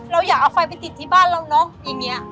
เราอยากเอาไฟไปติดที่บ้านเราเนอะอย่างนี้